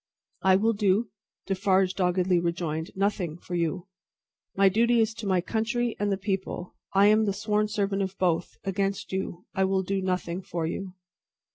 "I will do," Defarge doggedly rejoined, "nothing for you. My duty is to my country and the People. I am the sworn servant of both, against you. I will do nothing for you."